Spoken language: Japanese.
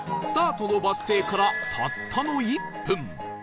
スタートのバス停からたったの１分